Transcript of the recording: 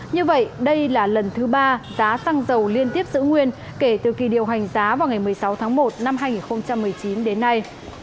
như vậy đây là lần thứ ba giá xăng dầu liên tiếp giữ nguyên kể từ kỳ điều hành giá vào ngày một mươi sáu tháng một năm hai nghìn một mươi chín đến nay